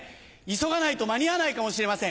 急がないと間に合わないかもしれません。